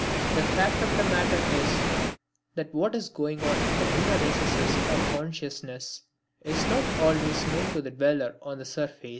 The fact of the matter is that what is going on in the inner recesses of consciousness is not always known to the dweller on the surface.